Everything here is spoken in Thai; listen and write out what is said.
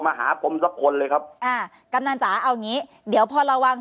หาผมสักคนเลยครับอ่ากำนันจ๋าเอางี้เดี๋ยวพอระวัง